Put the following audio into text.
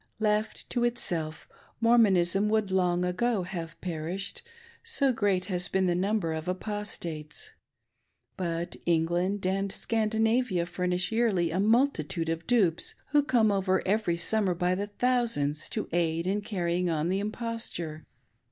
Left to itself, Mormonism would long ago haVe perished, so great has been the number of Apostates. But England and Sean'dinavia furnish yearly a multitude of dupes, who come over every summer by thousands to aid in carrying on the imposture.